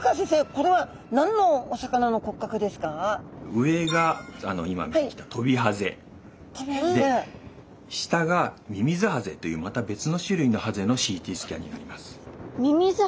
上が今見てきたトビハゼ下がミミズハゼというまた別の種類のハゼのＣＴスキャンになります。